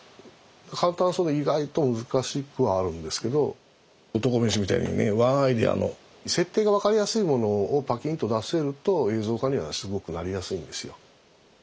簡単そうで意外と難しくはあるんですけど「侠飯」みたいにねワンアイデアの設定が分かりやすいものをパキンと出せると映像化にはすごくなりやすいんですよ。